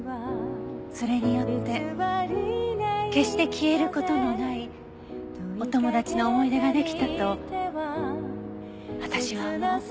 それによって決して消える事のないお友達の思い出ができたと私は思う。